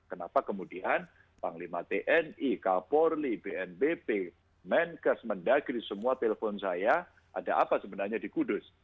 kenapa kemudian panglima tni kapolri bnbp menkes mendagri semua telpon saya ada apa sebenarnya di kudus